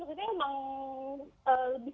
lebih seperti tapi yang penting